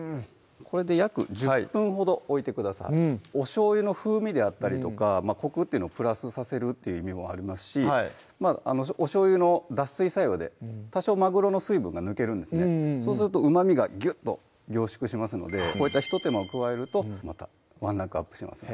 これで約１０分ほど置いてくださいおしょうゆの風味であったりとかコクっていうのをプラスさせるっていう意味もありますしおしょうゆの脱水作用で多少まぐろの水分が抜けるんですそうすると旨みがぎゅっと凝縮しますのでこういった一手間を加えるとまたワンランクアップします